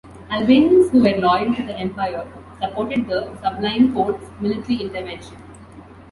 Albanians who were loyal to the empire supported the Sublime Porte's military intervention.